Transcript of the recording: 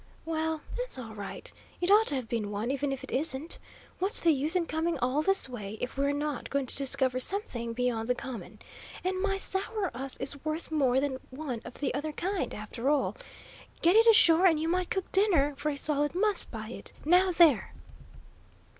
"Well, that's all right. It ought to've been one, even if it isn't. What's the use in coming all this way, if we're not going to discover something beyond the common? And my sour us is worth more than one of the other kind, after all; get it ashore and you might cook dinner for a solid month by it; now there!"